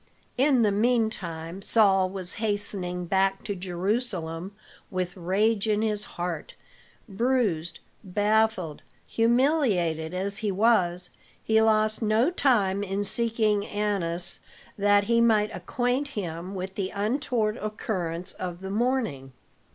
In the meantime Saul was hastening back to Jerusalem with rage in his heart; bruised, baffled, humiliated as he was, he lost no time in seeking Annas that he might acquaint him with the untoward occurrence of the morning.